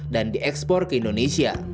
dan diekspor ke indonesia